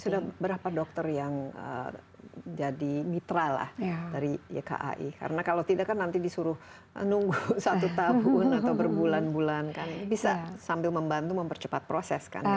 sudah berapa dokter yang jadi mitra lah dari ykai karena kalau tidak kan nanti disuruh nunggu satu tahun atau berbulan bulan kan bisa sambil membantu mempercepat proses kan